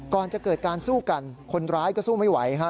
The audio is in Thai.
ก่อนจะเกิดการสู้กันคนร้ายก็สู้ไม่ไหวฮะ